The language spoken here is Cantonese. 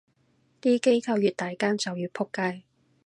啲機構越大間就越仆街